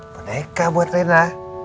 boneka buat rena